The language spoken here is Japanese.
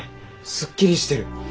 すっきりしてる。